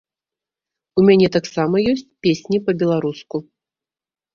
У мяне таксама ёсць песні па-беларуску.